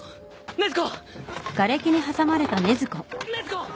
禰豆子！